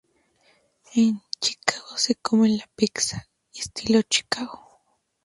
En Chicago se come la "pizza" estilo Chicago.